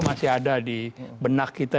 masih ada di benak kita